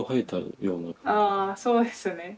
ああそうですね。